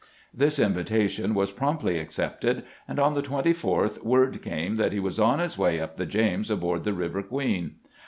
This invitation was promptly accepted, and on the 24th word came that he was on his way up the James aboard the River Queen.